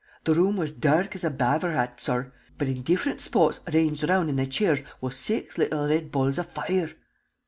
The room was dark as a b'aver hat, sorr, but in different shpots ranged round in the chairs was six little red balls of foire!"